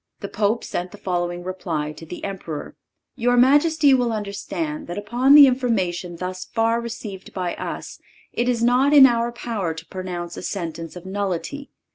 The Pope sent the following reply to the Emperor: "Your majesty will understand that upon the information thus far received by us it is not in our power to pronounce a sentence of nullity.